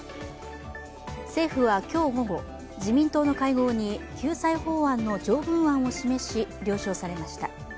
政府は今日午後自民党の会合に救済法案の条文案を示し了承されました。